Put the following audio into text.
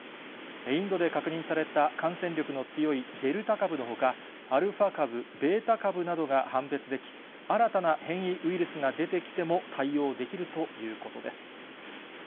インドで確認された感染力の強いデルタ株のほか、アルファ株、ベータ株などが判別でき、新たな変異ウイルスが出てきても対応できるということです。